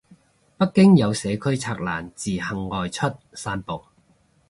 北京有社區拆欄自行外出散步